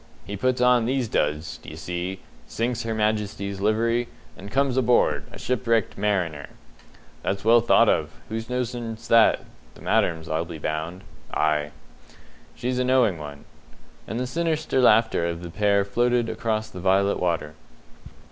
He puts on these duds, d'ye see, sinks Her Majesty's livery, and comes aboard, a 'shipwrecked mariner'." "That's well thought of. Whose notion's that? The Madam's, I'll be bound." "Ay." "She's a knowing one." And the sinister laughter of the pair floated across the violet water.